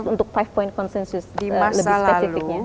untuk lima point consensus lebih spesifiknya